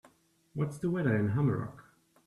What's the weather in Humarock?